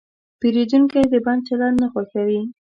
پیرودونکی د بد چلند نه خوښوي.